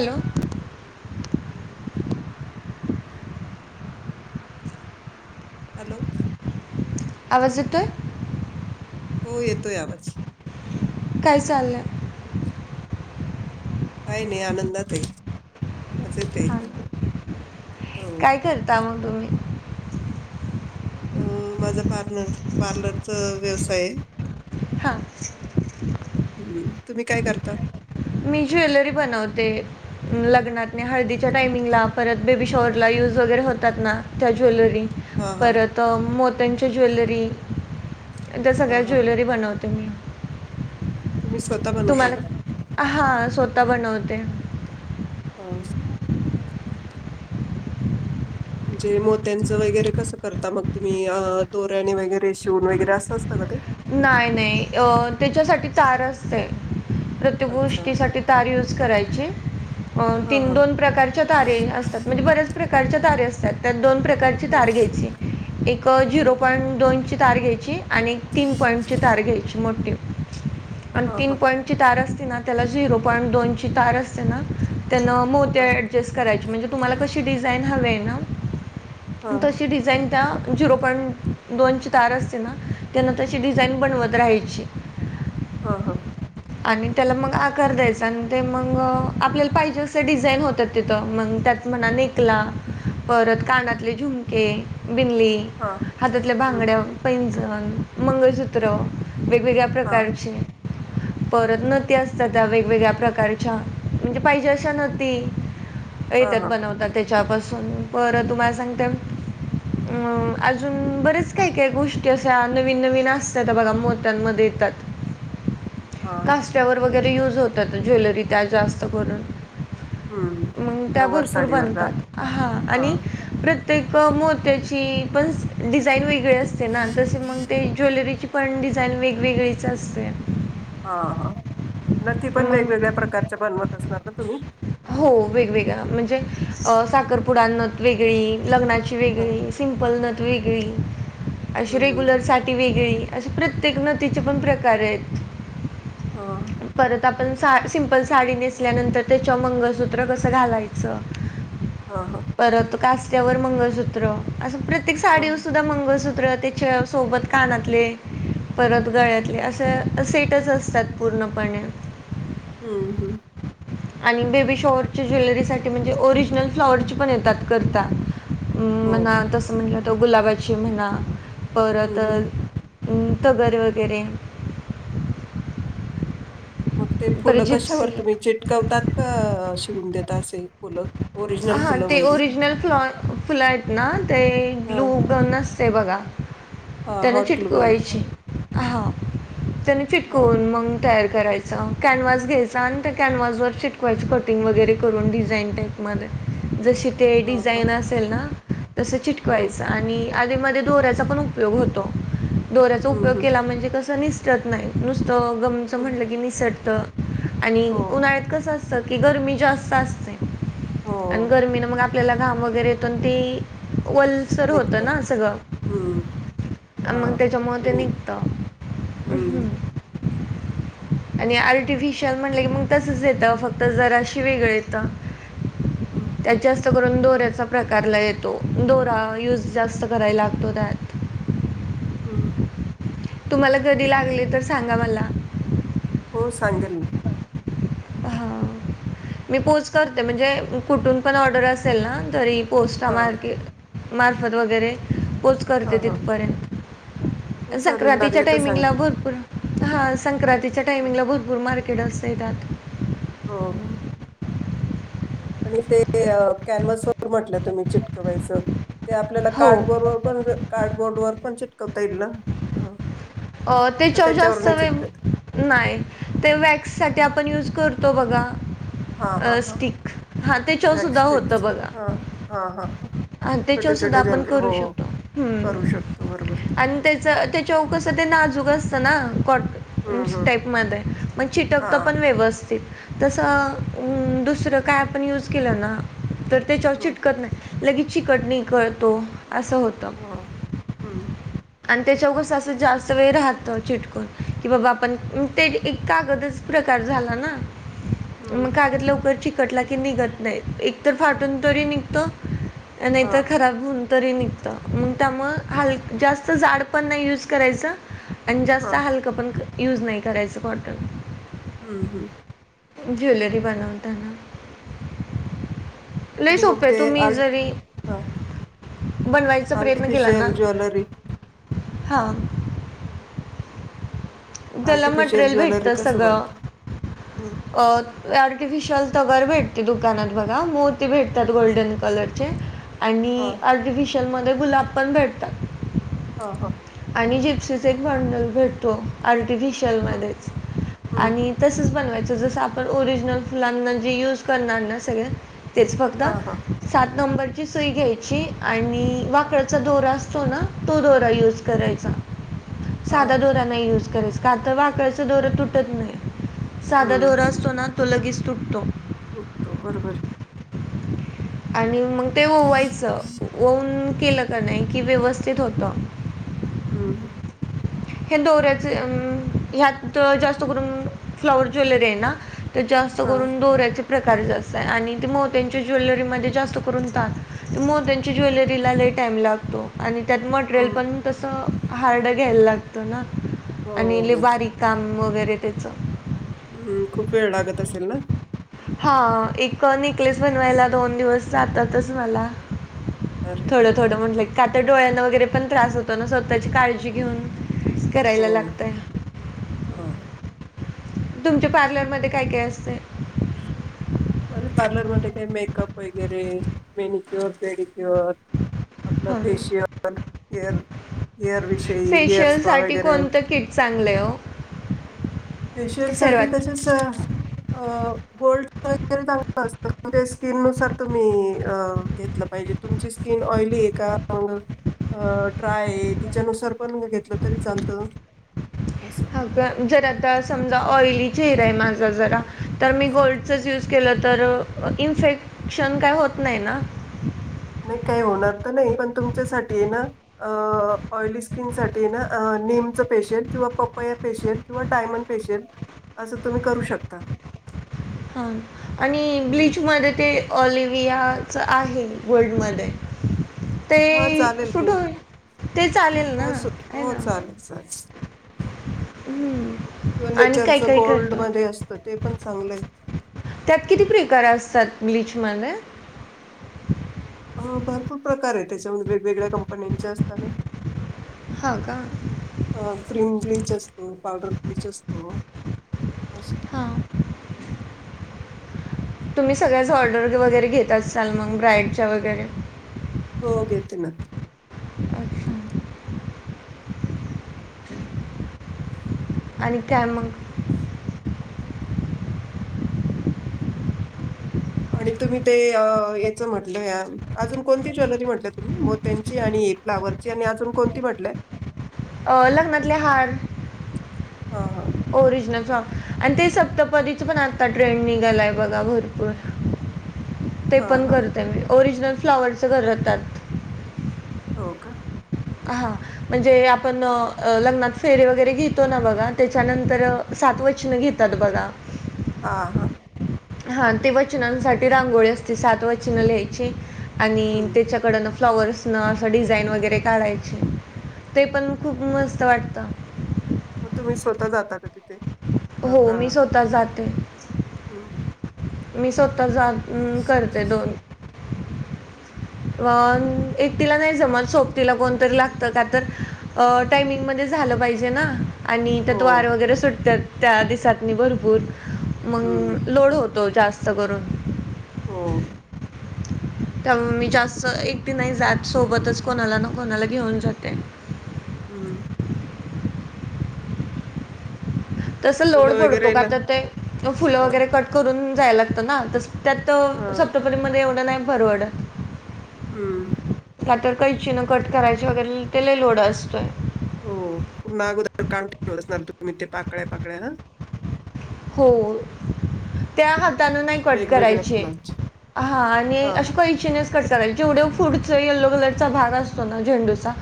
Hello hello आवाज येतोय हो येतोय आवाज काय चाललंय काय नाही आनंदात आहे मजेत हां आहे हो काय करता मग तुम्ही अ माझा पार्लर पार्लरचा व्यवसाय आहे हा हम्म तुम्ही काय करता मी ज्वेलरी बनवते लग्नातने हळदीच्या टायमिंगला परत बेबी शॉवरला यूज वगैरे होतात ना त्या ज्वेलरी हा हा परत मोत्यांच्या ज्वेलरी त्या हा सगळ्या हा ज्वेलरी बनवत तम तुम्ही स्वतः बनवता तुम्हाला का हा स्वतः बनवते. हो. म्हणजे मोत्यांचं वगैरे कसं करता मग तुम्ही दोऱ्याने वगैरे शिवून वगैरे असं असत का ते. नाही नाही अ त्याच्यासाठी तार असते. प्रत्येक अच्छा गोष्टीसाठी तार यूज करायची. अ हा तीन हा दोन प्रकारच्या तारे असतात म्हणजे बऱ्याच प्रकारच्या तारे असतात. त्यात दोन प्रकारची हम्म, तार घ्यायची एक अ झीरो हम्म. पॉईंट दोनची तार घ्यायची आणि एक तीन पॉईंटची तार घ्यायची मोठी आणि हा तीन हा पॉइंटची तार अस ना त्याला झिरो पॉईंट दोनची तार असते ना, त्यानं मोती हा ॲडजेस्ट करायची म्हणजे तुम्हाला कशी डिझाईन हवी आहे ना. तशी डिझाईन त्या झिरो पॉइंट दोनची तार असते ना. त्यांना तशी डिझाईन बनवत राहायची. हा हा. आणि त्याला मग आकार द्यायचा आणि ते मग आपल्याला पाहिजे असं डिझाईन होतात तिथं मग, त् मणा निकला. परत हम्म. कानातले झुमके, बिनली, हा हातातल्या हम्म. भांगड्या, पैंज जण, मंगळसूत्र वेगवेगळ्या हा प्रकारचे. परत नती असतात त्या वेगवेगळ्या प्रकारच्या म्हणजे पाहिजे अशा नती. हा येतात हा हा बनवतात त्याच्यापासून पर तुम्हाला सांगते. अ अजून बरेच काय काय गोष्टी असा नवीन, नवीन असत बघा मोत्याणमध्ये. येतात. हा. कास्ट्यावर वगैरे युज होतात, ज्वेलरी त्या जास्त करून. हम्म मग त्या नऊवार भरपूर साडीवर घाल बनतात हा आणि प्र ते क मोर्त्याची पण डिझाईन वेगळी असते ना तसे मग ते ज्वेलरीची. पण डिझाईन वेगवेगळीच असते. हा हा नती पण मग वेगवेगळ्या प्रकारच्या बनवत असणार ना तुम्ही. हो वेगवेगळ्या म्हणजे साखरपुडां नथ वेगळी लग्नाची. हां. वेगळी सिंपल नत वेगळी अशी हं, हं. रेग्युलर साठी वेगळी. असे प्रत्येक नथीचे पण प्रकार आहेत. हा. परत आपण सा सिंपल साडी नेसल्यानंतर त्याच्या मंगळसूत्र कसं घालायचं. [unintelligible] हा हा. परत कास्त्यावर मंगळसूत्र असं प्रत्येक साडीवर हां. सुद्धा मंगसूत्र. त्र त्याच्या सोबत कानातले परत गळ्यातले हं. अस सेट. च असतात पूर्णपणे. हम्म हम्म. आणि बेबी शॉवररच्या ज्वेलरी साठी म्हणजे ओरिजनल फ्लॉवरची पण येतात करता. अम हो. म्हणा तसं म्हणलं त गुलाबाची म्हणा परत हं, अ हं. उ तगर वगैरे. मग ते परत फुलं जिप्सी कशावर तुम्ही चिटकावतात का शिवून देतात असे फुलं. ओरिजिनल हा फुलं ते म्हणजे? ओरिजनल फ्लॉ फुल आहेत, ना ते ग्लू हां. गमन. त बघा हां. त्यान हॉट ग्लू गन. चिटकवायची हां. त्यांनी [unintelligible] हां. फिटकवून मग, तयार करायचा कॅनवास घ्यायचा आणि त्या कॅनव्हसवर चीटकवायची कटिंग वगैरे करून डिझाईन तेन. मध्ये जसे ते हां, हां. डिझाईन असेल ना, तस हं. चिटकवायचं आणि आधी मदे दोऱ्याचा पण उपयोग होतो. दोऱ्याचा हं, उपयोग हं. केला म्हणजे कसं निसटत नाही नुसतं गमचं हं. म्हटलं की निसटतं. आणि हो, हो. उन्हाळ्यात कस असतं कि गरमी जास्त असते आणि हो. गर्मीने मग आत त्याला घाम वगैरे येतो ते वलसर होतं निघतं. ना सगळं. हं. अन मग हां. त्याच्यामुळे ते नि निगत. हं. आणि आर्टिफिशियल म्हणलं की मग तसच येतं फक्त जराशी वेगळ येत. हं, त्यात जास्त करू न दोऱ्या प्रकारला लय येतो दोरा युज जास्त कराला लागतो त्यात. हम. तुम्हाला कधी लागले तर सांगा मला. हो सांगेल ना हां मी पोझ करते म्हणजे कुठून पण ऑर्डर असेल ना तरी पोस्टा हां. मार्गे मार्फत वगैरे पोच हां, करते हां. हो तिथपर्यंत चालेल संक्रांतीच्या लागले तर टायमिंगला सांगते. भरपूर हा संक्रांतीच्या हां. टायमिंगला भरपूर मार्केट असतय त्यात हो आणि ते कॅनवस वर म्हटलं तुम्ही चिटकवायचं ते आपल्याला हो कार्डबोर्ड वर पण कार्डबोर्ड वर पण चिटकवता येईल ना? अ का तेच्यावर त्याच्यावर जास्त नाही वे चिटकत नाही ते वॅक्स साठी ते आपण युज करतो बघा हा, हा, अ, हा, स्टिक हां ते व्याग् चवसुद्धा स्ट्रिकस हा, हा, हा, हा हा त्याच्यावर छोटे सुद्धा छोटे आपण ज्वेलरी करू हो शकतो हू करू शकतो बरोबर आहे. आणि ते च्या तेच्यावर कसं ते नाजूक असतं ना कॉट हम्म हम्म स्टेप मध्ये मग हा चिटकत पण व्यवस्थित हम्म असं दुसरं काय आपण यूज केलं ना तर त्याच्यावर हम्म चिटकत नाही. लगेच चीकटणी करतो हा हम् आणि त्याच्याव कसं असं जास्त वेळ राहत चिटकून की बाबा आपण ते कागदच प्रकार झाला ना? मग हम्म कागद लवकर चिकटला की निघत नाही एकतर फाटून तरी निघतो नाही हा तर खराब होऊन तरी निघत मग त्यामुळ हाल जास्त जाड पण नाही यूज करायचं आणि हा जास्त हालकं पण यूज नाही करायचं कॉटन हम्, हम् ज्वेलरी बनवताना लयी आणि मग सोपीय ते तुम्ही आर् जरी बनवायचा प्रयत्न केला ना आर्टिफिशियल ज्वेलरी हा त्याला आर्टिफिशियल मटेरियल ज्वेलरी भेटतं कसं सगळं बनतं? हम्म अ आर्टिफिशयल तगर भेटते दुकानात बघा मोती भेटतात गोल्डन कलरचे हा आणि आर्टिफिशियलमध्ये गुलाब पण भेटतात. हा हा आणि जिप्सच एक बांडल भेटतो आर र्टिफिशल हा मध्येच हम्म आणि तसच बनवायच जस जस आपण ओरिजिनल फुलांना जे यूज करणार ना सगळे तेच फक्त हा हा सात नंबरची सुई घ्यायची आणि वाकळचा दोरा आसतो ना तो दोरा यूज करायचा हा साधा दोरा नाही यूज करायचा का तर वाकळचं दोरा तुटत नाही साधा दोरा असतो ना तो लगेच तुटतो. तुटतो बरोबर आणि मग ते ओवायचं ओवून केलंका नाही कि व्यवस्थित होत. हम् हे दोऱ्याच अ ह्यात जास्त करून फ्लॉवर ज्वेलरी आहे ना ते जास्त हां. करून दोऱ्याचे प्रकार जास्त आणि ते मोत्यांची ज्वेलरीमध्ये जास्त करून तात मोहत्यांची ज्वेलरीला ली टाईम लागतो. आणि त्यात मटेरियल हं. पण तसं हार्ड घ्यायला लागतं ना. हो, आणि लई हो. बारीक काम वगैरे त्याच हं. खूप वेळ लागत असेल ना? हा एक नेकलेस बनवायला दोन दिवस जातातच मला. अरे! थोडं थोडं म्हटलं का तर डोळ्यांना वगैरे पण त्रास होतो ना स्वतःची काळजी घेऊन हो. करायला लागतय. हां. तुमच्या पार्लरमध्ये काय काय असतय? माझ्या पार्लरमध्ये काही मेकअप वगैरे मेनिक्युअर, पेडिक्युअर. आपलं हां फेशियल, हेअर हेअर विषयी हेअर स्पा फेशियलसाठी वगैरे. कोणतं किट चांगलं आहे हो फेशियल साठी सर्वात तसेच अं गोल्ड चांगल असतं स्किन नुसार तुम्ही घेतलं पाहिजे तुमची स्किन ऑइली. का म [unintelligible] ट्राय तिच्यानुसार पण घेतलं तरी चालत असो. ह जर आता समजा ऑयली चेहरा आहे माझा जरा तर मी गोल्डचाच यूज केलं तर इन्फेक्शन काही होत नाही ना? नाही काही होणार तर नाही पण तुमच्यासाठीना ऑयली स्किन साठी ना फेशिल किंवा पपया फेशिल किंवा डायमंड फेशिल असं तुम्ही करू शकता. हा आणि हं. ब्लीच मध्ये ते ऑलिव्हयाच आहे वर्ल्डमध्ये ते हा चालेल सुट ना. होईल ते चालेल ना हो सु आहे हो ना. चालेल चालेल हम्म किंवा आणि काही नेचरच काही गोल्ड करतो मध्ये असतं ते पण चांगलंय. त्यात किती प्रकार असतात ब्लीच मध्ये अ, भरपूर प्रकार आहे त्याच्यामध्ये वेगवेगळ्या कंपन्यांच्या असताना. हा का अ क्रीम ब्लीच असतो पावडर ब्लीच असतो. असते हां तुम्ही सगळ्याच ऑर्डर वगैरे घेत असाल मग ब्राईडच्या वगैरे. हो घेते ना. अच्छा आणि काय मगं आणि तुम्ही ते याच म्हटलं अजून कोणती ज्वेलरी म्हटल तुम्ही मग त्यांची आणि फ्वरची आणि अजून कोणती म्हटलंय? अ लग्नातले हार हां, हां. ओरिजनल सॉ आणि ते सप्तपदीच पण आता ट्रेन निघालाय बघा भरपूर. ते हां, पण हां. करते मी ओरिजिनल फ्लॉवरचे करतात. हो का? हा म्हणजे आपण लग्नात फेरे वगैरे घेतो ना बघा त्याच्यानंतर सात वचन घेतात बघा. हा हां हा ते वचनांसाठी रांगोळी असते सात वचनं लिहायची आणि हं, त्याच्याकड न फ्लॉवर्सनं असं डिझाईन वगैरे काढायचे ते हं. पण खूप मस्त त वाटता. मग तुम्ही स्वतः जाता का तिथे? हो मी स्वतःच जाते. हम् मी स्वतः जा करते दोन. अ एक तिला नाही जमत सोबतीला कोणतरी लागत का तर टायमिंग झालं पाहिजे ना आणि त्यात हो. वार वगैरे सुटत त्या दिसातनी भरपूर हं. मग लोड होतोच जास्त करून हम त्यामुळे मी जास्त एकटी नाही जात सोबतच कोणाला ना कोणाला घेऊन जाते हं. तसं लोड मुलं पडतो का वगैरेला तर ते फुलं हां, वगैरे कट करून जायला लागतं ना तस त्यात त हां. सप्टपरीमध्येध्ये एवढं नाही भरवडत हम्म का तर काही इच्छिनं कट करायची वगैरे तेलाही लोडं असतय हो ना अगोदर काम्टिन्यू असणार तुम्ही ते पाकळ्या पाकळ्या हा हो त्या क कराय वेगवेगळ्या फुलांची. हां, जेवढे फ येल्लो कलरचा भाग असतो ना झेंडूचा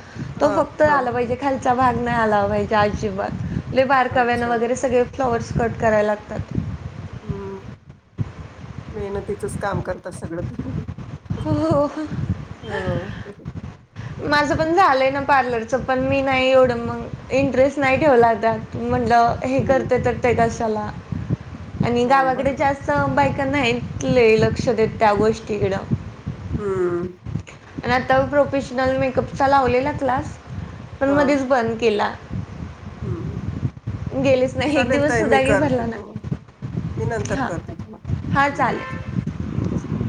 तो हां, फक्त आला हां. पाहिजे खा भाग नाही आला पाहिजे अजिबात बारकाव्यान अच्छा. वगरे सगळे फ्लॉ कराय लागतात हम्म मेहनतीचच काम करतात सगळं तर हो हो हो. माझं पण झालंय ना पार्लरचं पण मी नाही एवढं मग इंटरेस्ट नाही ठेवलातात म्हंटलं हे हं. करते तर ते कशाला आणि हो गावाकडे बरोबर. जास्त बायक नाहीले लक्ष देत त्या गोष्टीकडं हं. आणि आता प्रोफेशनल मेकअपचा लावलेला क्लास पण मध्येच बंद केला हम्म गेलेच नाही एक चालेल दिवस तय मी सुद्धा काही करते भरला ना तो मी नंतर हां करते तुम्हाला चालेल ओके